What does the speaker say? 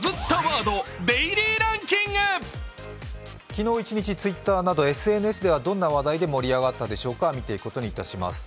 昨日一日Ｔｗｉｔｔｅｒなど、ＳＮＳではどんな話題で盛り上がったでしょうか、見ていくことにいたします。